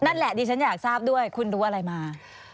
นั่นแหละดิฉันอยากทราบด้วยคุณรู้อะไรมา